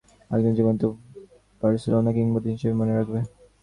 আমি চাইব, বার্সা সদস্যরা তাকে একজন জীবন্ত বার্সেলোনা কিংবদন্তি হিসেবেই মনে রাখবে।